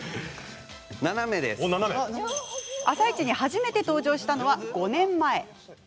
「あさイチ」に初めて登場したのは５年前。